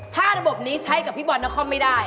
ถ้าระบบนี้ใช้กับพี่บอลนครไม่ได้